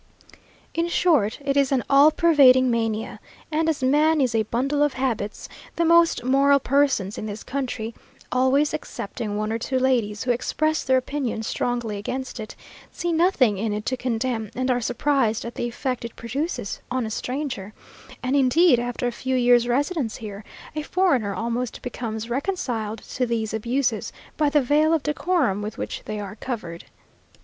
In short, it is an all pervading mania, and as man is "a bundle of habits," the most moral persons in this country (always excepting one or two ladies who express their opinions strongly against it) see nothing in it to condemn, and are surprised at the effect it produces on a stranger; and, indeed, after a few years' residence here, a foreigner almost becomes reconciled to these abuses, by the veil of decorum with which they are covered.